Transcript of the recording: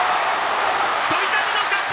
翔猿の勝ち。